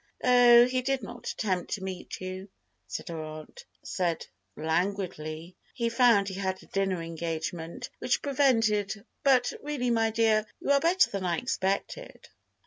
"Oh, he did not attempt to meet you," said her aunt, said languidly. "He found he had a dinner engagement which prevented, but really, my dear, you are better than I expected."